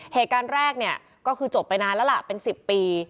เหตุการณ์แรกเนี่ยก็คือจบไปนานแล้วล่ะเป็น๑๐ปี